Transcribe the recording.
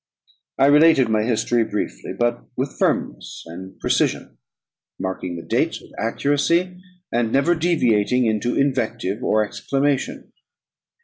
I now related my history, briefly, but with firmness and precision, marking the dates with accuracy, and never deviating into invective or exclamation.